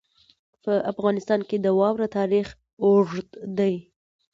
په افغانستان کې د واوره تاریخ اوږد دی.